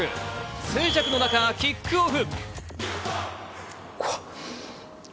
静寂の中キックオフ。